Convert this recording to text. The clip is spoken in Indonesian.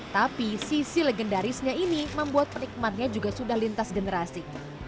tapi sisi legendarisnya ini membuat penikmatnya juga sudah lintas generasi